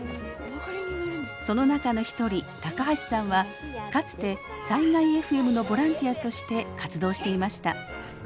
その中の一人高橋さんはかつて災害ＦＭのボランティアとして活動していました。